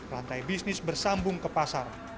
rantai bisnis bersambung ke pasar